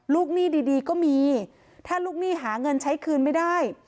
หนี้ดีก็มีถ้าลูกหนี้หาเงินใช้คืนไม่ได้